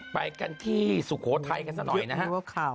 ไปกันที่สุโขทัยกันสักหน่อยนะครับ